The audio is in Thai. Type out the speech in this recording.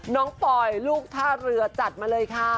ปอยลูกท่าเรือจัดมาเลยค่ะ